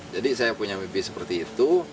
jadi saya punya mimpi seperti itu